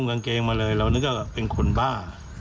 กางเกงมาเลยเรานึกว่าเป็นคนบ้า